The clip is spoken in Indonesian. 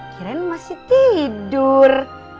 kirain masih tidur